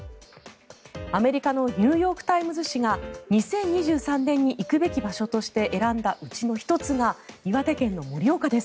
アメリカのニューヨーク・タイムズ紙が２０２３年に行くべき場所の１つとして選んだのが岩手県盛岡です。